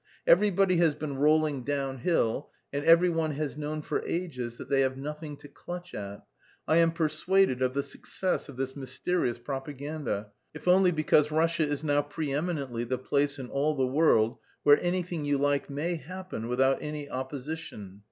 Everybody has been rolling downhill, and every one has known for ages that they have nothing to clutch at. I am persuaded of the success of this mysterious propaganda, if only because Russia is now pre eminently the place in all the world where anything you like may happen without any opposition.